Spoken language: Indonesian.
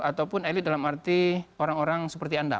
ataupun elit dalam arti orang orang seperti anda